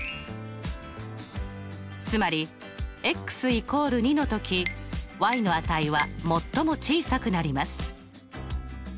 つまり＝２のときの値は最も小さくなります。